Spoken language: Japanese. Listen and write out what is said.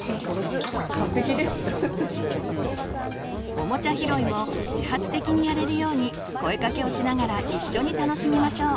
オモチャ拾いも自発的にやれるように声かけをしながら一緒に楽しみましょう。